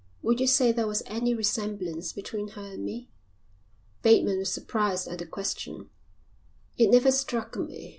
Would you say there was any resemblance between her and me?" Bateman was surprised at the question. "It never struck me.